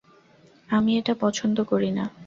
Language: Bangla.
আমি এটা পছন্দ করি না।